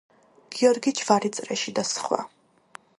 გიორგი, ჯვარი წრეში და სხვა.